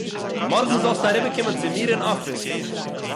מארגן זאלסטו אריבערקומען צו מיר אין אפיס